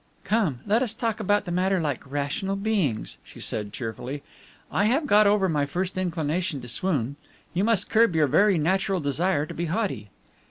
"Come, let us talk about the matter like rational beings," she said cheerfully. "I have got over my first inclination to swoon. You must curb your very natural desire to be haughty."